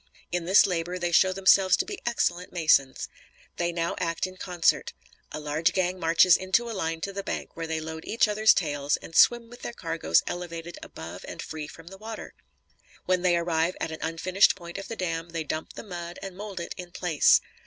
In this labor, they show themselves to be excellent masons. They now act in concert. A large gang marches in a line to the bank where they load each other's tails and swim with their cargoes elevated above and free from the water. When they arrive at an unfinished point of the dam they dump the mud and mould it in place.